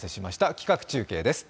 企画中継です。